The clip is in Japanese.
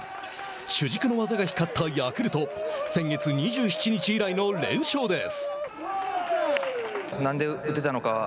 主軸の技が光ったヤクルト先月２７日以来の連勝です。